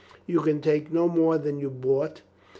You can take no more than you brought.